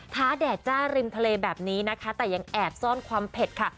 แดดจ้าริมทะเลแบบนี้นะคะแต่ยังแอบซ่อนความเผ็ดค่ะ